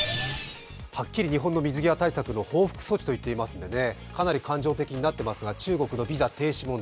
はっきり日本の水際対策の報復措置と言っていますのでかなり感情的になっていますが、中国のビザ停止問題。